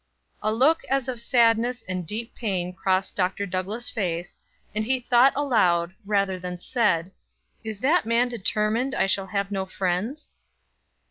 A look as of sadness and deep pain crossed Dr. Douglass' face, and he thought aloud, rather than said: "Is that man determined I shall have no friends?"